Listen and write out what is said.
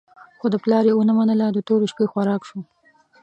خو د پلار یې ونه منله، د تورې شپې خوراک شو.